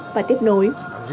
và tiếp nối